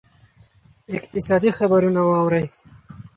اقتصادي خبرونه واورئ.